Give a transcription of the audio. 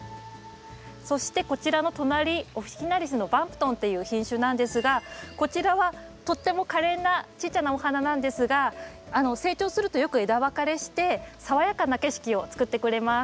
そしてこちらの隣オフィキナリスのバンプトンという品種なんですがこちらはとってもかれんなちっちゃなお花なんですが成長するとよく枝分かれして爽やかな景色を作ってくれます。